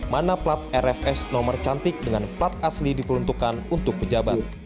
mana plat rfs nomor cantik dengan plat asli diperuntukkan untuk pejabat